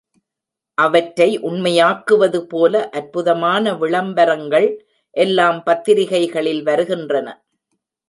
அவற்றை உண்மையாக்குவது போல, அற்புதமான விளம்பரங்கள் எல்லாம் பத்திரிக்கைகளில் வருகின்றன.